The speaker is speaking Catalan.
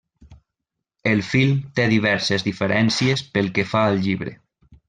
El film té diverses diferències pel que fa al llibre.